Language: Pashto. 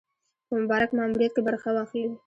په مبارک ماموریت کې برخه واخلي.